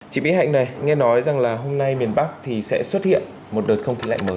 chị mỹ hạnh này nghe nói rằng là hôm nay miền bắc thì sẽ xuất hiện một đợt không khí lạnh mới